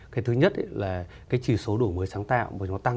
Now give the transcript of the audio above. để thực hiện các giải pháp cải thiện về môi trường kinh doanh